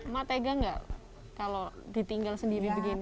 ma tega nggak kalau ditinggal sendiri begini